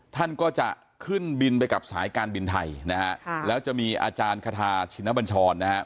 ท่านก็จะขึ้นบินไปกับสายการบินไทยนะฮะแล้วจะมีอาจารย์คาทาชินบัญชรนะครับ